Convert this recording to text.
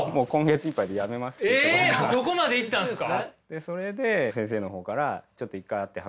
そこまでいったんですか。